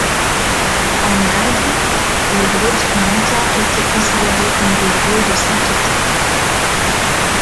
En Inde, les grottes ont longtemps été considérées comme des lieux de sainteté.